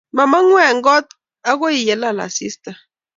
Mamang'u eng' kot akoy yelal asista